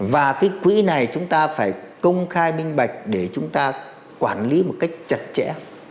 và cái quỹ này chúng ta phải công khai minh bạch để chúng ta quản lý một cách chặt chẽ